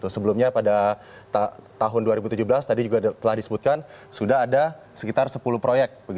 sebelumnya pada tahun dua ribu tujuh belas tadi juga telah disebutkan sudah ada sekitar sepuluh proyek